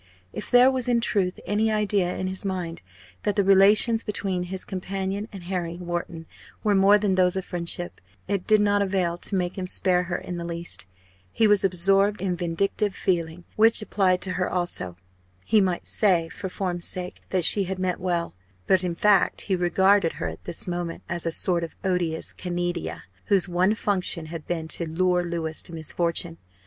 If there was in truth any idea in his mind that the relations between his companion and Harry Wharton were more than those of friendship, it did not avail to make him spare her in the least. He was absorbed in vindictive feeling, which applied to her also. He might say for form's sake that she had meant well; but in fact he regarded her at this moment as a sort of odious Canidia whose one function had been to lure Louis to misfortune.